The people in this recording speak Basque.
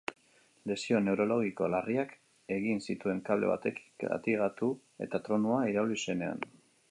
Lesio neurologiko larriak egin zituen kable batekin katigatu eta tronua irauli zenean.